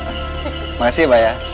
terima kasih mbak ya